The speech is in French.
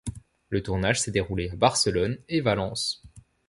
Le tournage s'est déroulé à Barcelone et Valence.